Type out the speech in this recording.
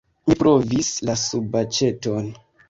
Mi provis la subaĉeton.